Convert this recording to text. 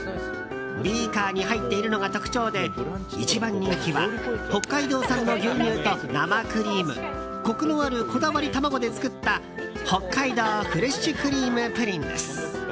ビーカーに入っているのが特徴で一番人気は北海道産の牛乳と生クリームコクのあるこだわり卵で作った北海道フレッシュクリームプリンです。